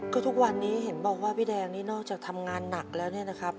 ก็ทุกวันนี้เห็นบอกว่าพี่แดงนี่นอกจากทำงานหนักแล้วเนี่ยนะครับ